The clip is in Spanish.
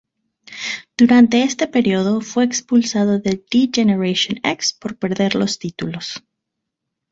Durante este período, fue expulsado de D-Generation X por perder los títulos.